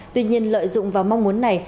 tuy nhiên lợi dụng vào mong muốn này